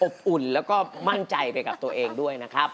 อุ่นแล้วก็มั่นใจไปกับตัวเองด้วยนะครับ